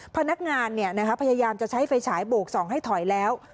พนักงานพยายามจะใช้ไฟฉายโบกส่องให้ถอยแล้ว